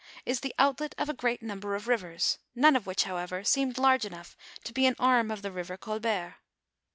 is the outlet of a great number of rivere, none of which, however, seemed large enough to be an arm of the river Colbert.